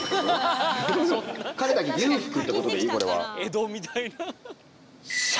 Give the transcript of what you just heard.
江戸みたいな。